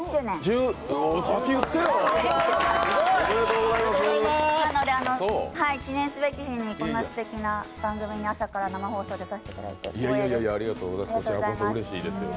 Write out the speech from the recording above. なので、記念すべき日にこんなすてきな番組に朝から生放送で出させていただいてうれしいです。